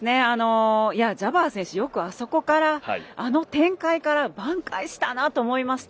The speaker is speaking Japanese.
ジャバー選手よくあそこから、あの展開から挽回したなと思いました。